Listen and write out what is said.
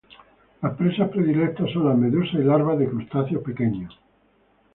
Las presas predilectas son las medusas y larvas de crustáceos pequeños.